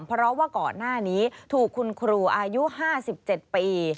เพราะว่าก่อนหน้านี้ถูกคุณครูอายุ๕๗ปี